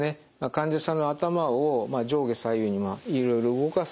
患者さんの頭を上下左右にいろいろ動かすことでですね